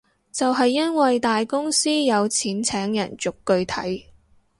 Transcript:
就係因為大公司有錢請人逐句睇